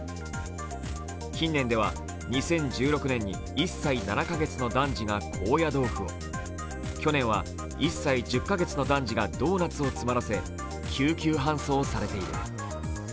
近年では２０１６年に１歳７カ月の男児が高野豆腐を、去年は１歳１０カ月の男児がドーナツを喉に詰まらせ、救急搬送されている。